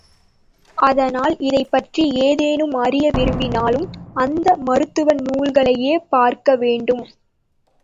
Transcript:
அதனால் இதைப் பற்றி ஏதேனும் அறிய விரும்பினால் அந்த மருத்துவ நூல்களையே பார்க்க வேண்டும்.